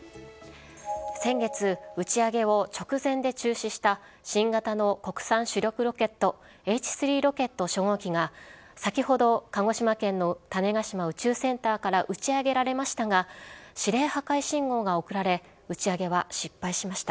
先月、打ち上げを直前で中止した新型の国産主力ロケット、Ｈ３ロケット初号機が、先ほど鹿児島県の種子島宇宙センターから打ち上げられましたが、指令破壊信号が送られ、打ち上げは失敗しました。